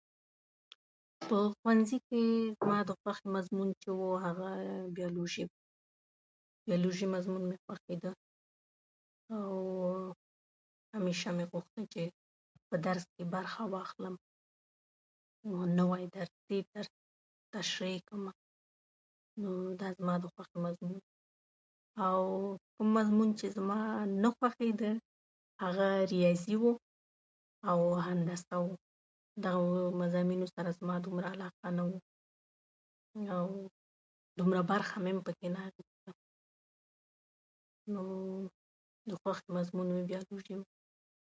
په ښوونځي کې زما د خوښې مضمون چې و، هغه بیولوژي و. بیولوژي مضمون مې خوښېده، او همېشه مې غوښتل چې په درس کې برخه واخلم، نوی درس تشریح کړمه. نو دا زما د خوښې مضمون و. او کوم مضمون چې ما نه خوښېده، هغه ریاضي و او هغه هندسه و. دغو مضمونونو سره زما دومره علاقه نه وه، او دومره برخه مې هم نه پکې اخیسته. نو د خوښې مضمون مې بیولوژي و.